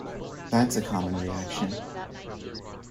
That's a common reaction.